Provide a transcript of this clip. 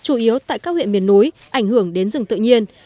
chủ yếu tại các huyện miền núi ảnh hưởng đến rừng tự nhiên